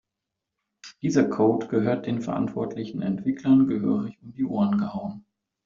Dieser Code gehört den verantwortlichen Entwicklern gehörig um die Ohren gehauen.